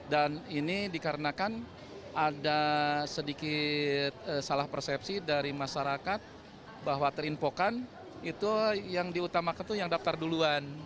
dan ini dikarenakan ada sedikit salah persepsi dari masyarakat bahwa terinfokan itu yang diutamakan itu yang daftar duluan